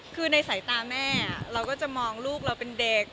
คือในสายตาแม่เราก็จะมองลูกเราเป็นเด็ก